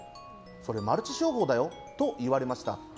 それ、マルチ商法だよと言われました。